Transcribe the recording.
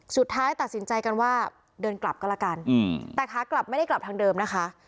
สุดท้ายตัดสินใจกันว่าเดินกลับก็แล้วกันแต่ขากลับไม่ได้กลับทางเดิมนะคะ